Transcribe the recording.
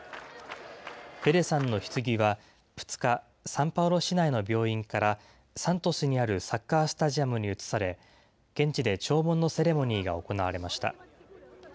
ペレさんのひつぎは２日、サンパウロ市内の病院からサントスにあるサッカースタジアムに移され、現地で弔問のセレモニーが行われました。